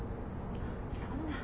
そんな。